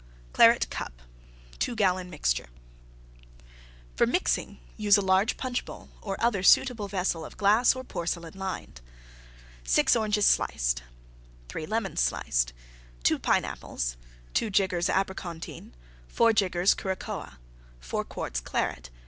CLARET CUP (2 gallon mixture) For mixing use a large Punch bowl or other suitable vessel of glass or porcelain lined. 6 Oranges, sliced. 3 Lemons, sliced. 2 Pineapples. 2 jiggers Abricontine. 4 jiggers Curacoa. 4 quarts Claret.